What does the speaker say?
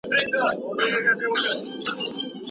ټولنیز باور د خلکو په ګډو تجربو ولاړ وي.